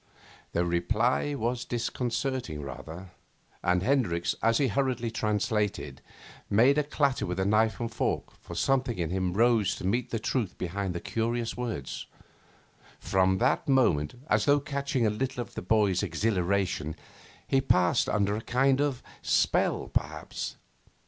The reply was disconcerting rather: and Hendricks, as he hurriedly translated, made a clatter with his knife and fork, for something in him rose to meet the truth behind the curious words. From that moment, as though catching a little of the boy's exhilaration, he passed under a kind of spell perhaps.